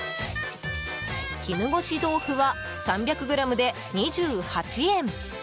絹ごし豆腐は３００ｇで２８円。